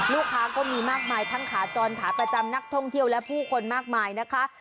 ลูกค้าก็มีมากมายทั้งขาจรขาประจำนักท่องเที่ยวและผู้คนมากมายนะคะ